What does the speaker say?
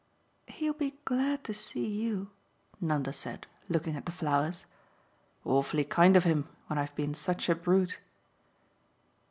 "He'll be glad to see you," Nanda said, looking at the flowers. "Awfully kind of him when I've been such a brute."